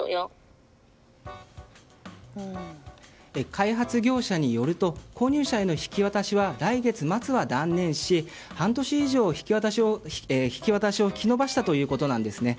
開発業者によると購入者への引き渡しは来月末は断念し半年以上、引き渡しを引き延ばしたということです。